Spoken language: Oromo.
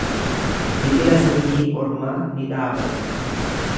Biqila sanyii ormaa ni dhaabatte.